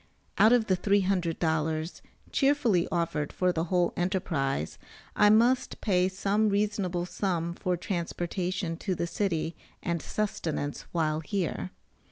Out of the $300, cheerfully offered for the whole enterprise, I must pay some reasonable sum for transportation to the city and sustenance while here.